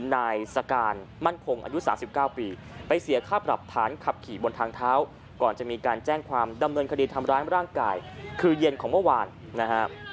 นายสการมั่นคงอายุ๓๙ปีไปเสียค่าปรับฐานขับขี่บนทางเท้าก่อนจะมีการแจ้งความดำเนินคดีทำร้ายร่างกายคือเย็นของเมื่อวานนะฮะ